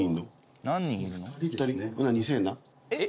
「えっ？